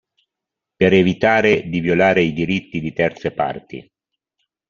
Per evitare di violare i diritti di terze parti.